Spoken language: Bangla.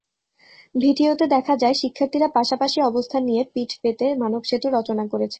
ভিডিওতে দেখা যায়, শিক্ষার্থীরা পাশাপাশি অবস্থান নিয়ে পিঠ পেতে মানবসেতু রচনা করেছে।